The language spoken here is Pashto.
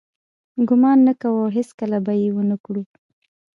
ګمان نه کوو او هیڅکله به یې ونه کړو.